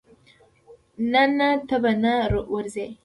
نه نه ته به نه ورزې.